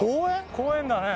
公園だね。